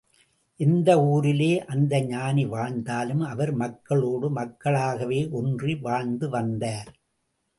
எந்த ஊரிலே அந்த ஞானி வாழ்ந்தாலும், அவர் மக்களோடு மக்களாகவே ஒன்றி வாழ்ந்து வந்தார்.